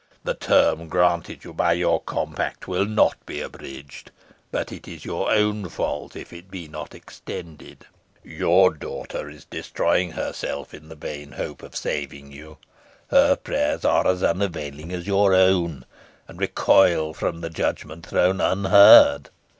"The term granted you by your compact will not be abridged, but it is your own fault if it be not extended. Your daughter is destroying herself in the vain hope of saving you. Her prayers are unavailing as your own, and recoil from the Judgment Throne unheard.